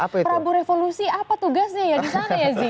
prabu revolusi apa tugasnya ya di sana ya zi